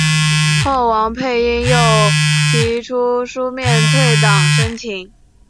后王佩英又提出书面退党申请。